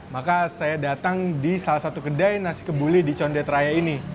maka saya datang di salah satu kedai nasi kebuli di condet raya ini